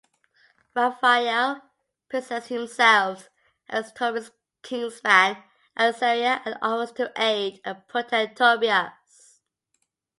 Raphael presents himself as Tobit's kinsman, Azariah, and offers to aid and protect Tobias.